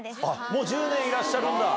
もう１０年いらっしゃるんだ。